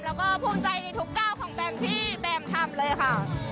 แล้วก็ภูมิใจในทุกก้าวของแบมที่แบมทำเลยค่ะ